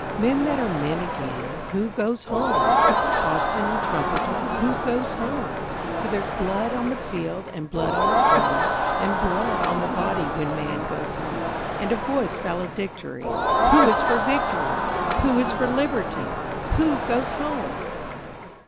Men that are men again; who goes home? Tocsin and trumpeter! Who goes home? For there's blood on the field and blood on the foam And blood on the body when Man goes home. And a voice valedictory.... Who is for Victory? Who is for Liberty? Who goes home?